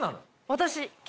私。